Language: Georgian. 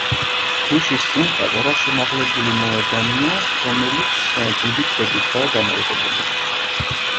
ნიშის წინ პატარა შემაღლებული მოედანია, რომელიც დიდი ქვებითაა გამაგრებული.